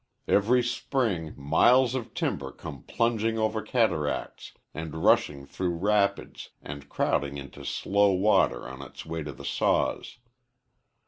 Every spring miles of timber come plunging over cataracts and rushing through rapids and crowding into slow water on its way to the saws.